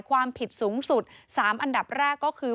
ความผิดสูงสุด๓อันดับแรกก็คือ